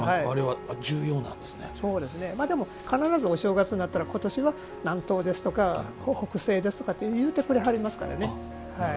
でも、必ずお正月になったら今年は南東ですとか北西ですとかって言ってくれますからね。